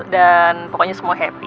dan pokoknya semua happy